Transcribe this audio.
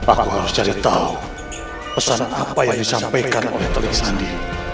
aku harus cari tahu pesanan apa yang disampaikan oleh telik sandi